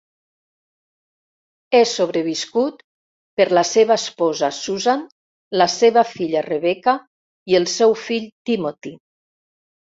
És sobreviscut per la seva esposa Susan, la seva filla Rebecca, i el seu fill Timothy.